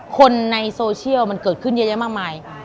คนในโซเชียลมันเกิดขึ้นเยอะแยะมากมาย